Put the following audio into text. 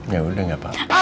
ya udah gak apa apa